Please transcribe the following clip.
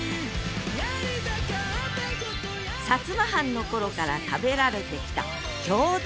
摩藩の頃から食べられてきた郷土料理